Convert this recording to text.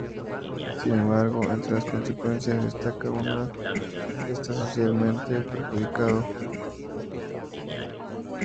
Sin embargo, entre las consecuencias destaca una: está socialmente perjudicado.